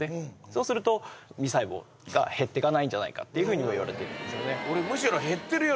そうすると味細胞が減っていかないんじゃないかっていうふうにもいわれているんですよね